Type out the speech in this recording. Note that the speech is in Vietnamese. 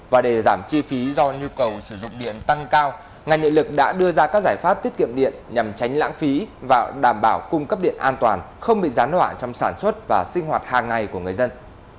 và để giảm chi phí do nhu cầu sử dụng điện tăng cao ngành điện lực đã đưa ra các giải pháp tiết kiệm điện nhằm tránh lãng phí và đảm bảo cung cấp điện an toàn không bị gián đoạn trong sản xuất và sinh hoạt hàng ngày của người dân